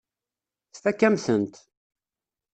Tfakk-am-tent.